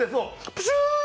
プシュー！